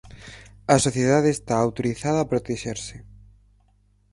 A sociedade está autorizada a protexerse.